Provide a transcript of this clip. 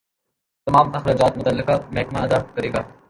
تمام اخراجات متعلقہ محکمہ ادا کرے گا